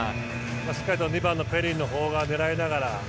しっかりと２番のペリンのほうを狙いながら。